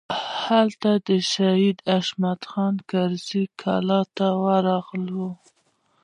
هلته د شهید حشمت الله خان کرزي کلا ته ورغلو.